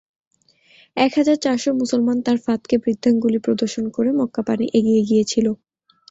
এক হাজার চারশ মুসলমান তার ফাঁদকে বৃদ্ধাঙ্গুলি প্রদর্শন করে মক্কাপানে এগিয়ে গিয়েছিল।